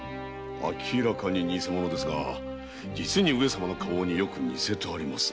明らかに偽物ですが実に上様の花押に似せてありますな。